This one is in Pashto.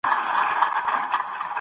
لمر